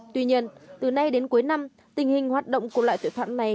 tuy nhiên từ nay đến cuối năm tình hình hoạt động của loại tội phạm này